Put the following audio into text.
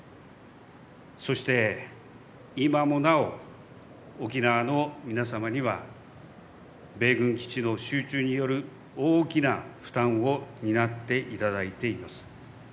そして、今もなお沖縄の皆様には米軍基地の集中による大きな負担を担っていただいています。